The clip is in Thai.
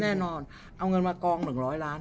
เอาเงินมากอง๑๐๐ล้าน